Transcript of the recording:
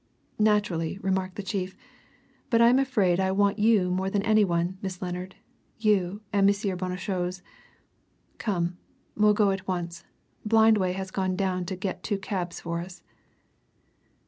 "Naturally," remarked the chief. "But I'm afraid I want you more than any one, Miss Lennard you and M. Bonnechose. Come we'll go at once Blindway has gone down to get two cabs for us."